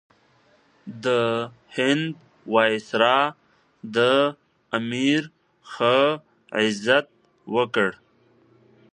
د هند وایسرا د امیر ښه عزت وکړ.